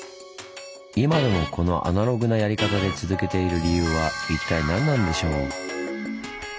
今でもこのアナログなやり方で続けている理由は一体何なんでしょう？